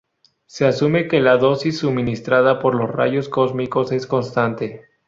Se asume que la dosis suministrada por los rayos cósmicos es constante.